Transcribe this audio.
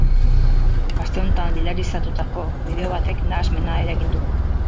Asteotan biralizatutako bideo batek nahasmena eragin du.